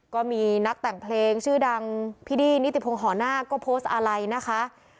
ก็มีนักแต่งเพลงชื่อดังพี่ดี้นิติพงศ์หอนาคก็โพสต์อะไรนะคะ